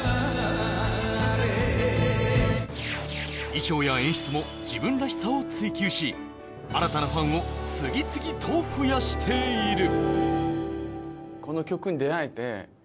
衣装や演出も自分らしさを追求し新たなファンを次々と増やしている。